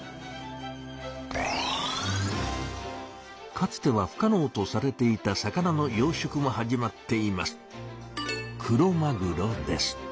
かつては不かのうとされていた魚の養しょくも始まっています。